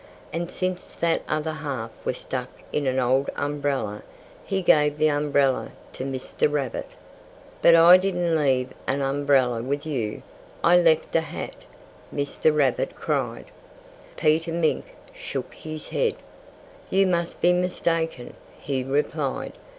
And since that other half was stuck in an old umbrella, he gave the umbrella to Mr. Rabbit. "But I didn't leave an umbrella with you. I left a hat!" Mr. Rabbit cried. Peter Mink shook his head. "You must be mistaken," he replied.